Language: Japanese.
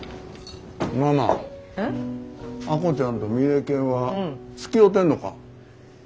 ママ亜子ちゃんとミネケンはつきおうてんのか？